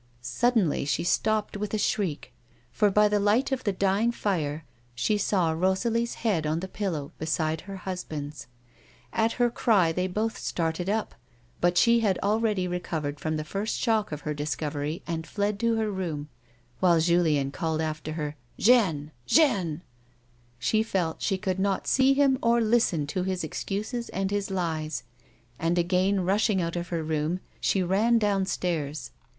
Suddenly she stopped with a shriek, for by the light of the dying fire she saw Rosalie's head on the pillow beside her husband's. At her cry they both started up, but she had already recovered from the first shock of her discovery, and fled to her room, while Julien called after her, " Jeanne ! Jeanne !" She felt she could not see him or listen to his excuses and his lies, and again rushing out of her room she ran downstairs.